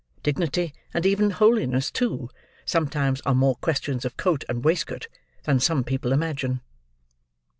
Dignity, and even holiness too, sometimes, are more questions of coat and waistcoat than some people imagine.